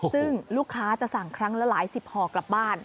ซึ่งลูกค้าจะสั่งครั้งละหลายสิบห่อกลับบ้าน